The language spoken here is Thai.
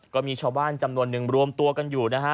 ก็มีชาวบ้านจำนวนหนึ่งรวมตัวกันอยู่นะฮะ